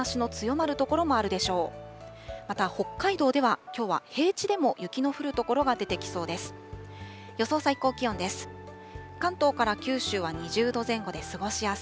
また北海道では、きょうは平地でも雪の降る所が出てきそうです。